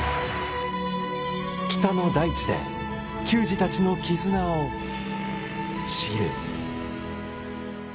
北の大地で、球児たちのきずなを知る。